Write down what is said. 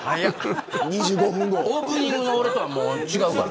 オープニングの俺とは違うから。